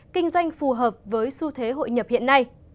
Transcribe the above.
kinh doanh phù hợp với xu thế hội nhập hiện nay